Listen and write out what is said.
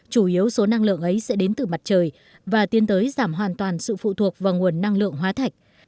chủ yếu số năng lượng ấy sẽ đến từ mặt trời và tiến tới giảm hoàn toàn sự phụ thuộc vào nguồn năng lượng hóa thạch